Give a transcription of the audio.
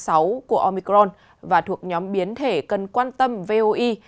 a hai tám mươi sáu của omicron và thuộc nhóm biến thể cần quan tâm voe